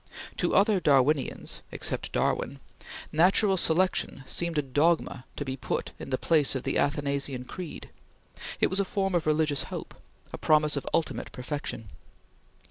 To other Darwinians except Darwin Natural Selection seemed a dogma to be put in the place of the Athanasian creed; it was a form of religious hope; a promise of ultimate perfection.